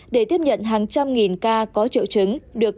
để tiếp nhận hàng trăm nghìn ca có triệu chứng